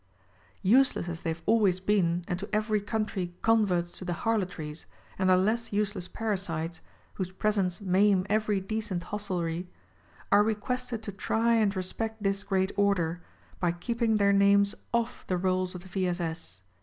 Useless as they have always been, and to every country converts to the harlotries, and their less useless parasites — whose presence maim every decent hostelry— are requested to try and respect this great order by keeping their names off the rolls of the V. S. S.